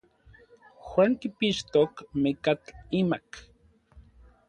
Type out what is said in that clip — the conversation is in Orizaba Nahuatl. Juan kipixtok mekatl imak.